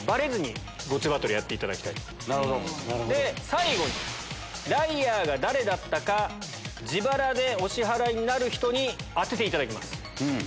最後にライアーが誰だったか自腹でお支払いになる人に当てていただきます。